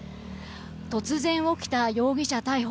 突然起きた、容疑者逮捕。